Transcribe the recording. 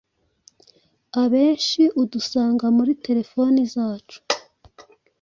Abenshi udusanga muri telefone zacu